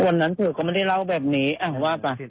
วันนั้นเธอก็ไม่ได้เล่าแบบนี้ว่าไป